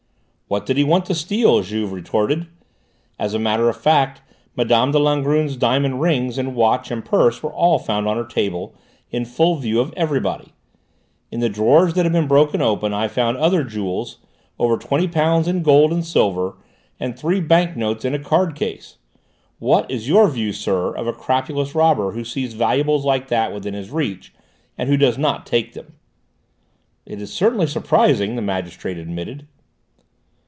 "What did he want to steal?" Juve retorted. "As a matter of fact, Mme. de Langrune's diamond rings and watch and purse were all found on her table, in full view of everybody; in the drawers that had been broken open I found other jewels, over twenty pounds in gold and silver, and three bank notes in a card case. What is your view, sir, of a crapulous robber who sees valuables like that within his reach, and who does not take them?" "It is certainly surprising," the magistrate admitted.